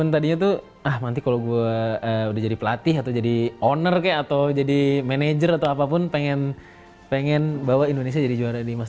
tadinya tuh ah nanti kalau gue udah jadi pelatih atau jadi owner kah atau jadi manajer atau apapun pengen bahwa indonesia jadi juara di emas